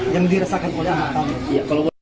yang dirasakan oleh anak kami